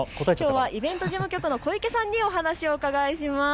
イベント事務局の小池さんにお話をお伺いします。